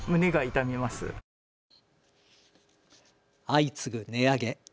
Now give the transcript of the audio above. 相次ぐ値上げ。